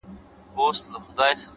مثبت ذهن پر پرمختګ تمرکز کوي،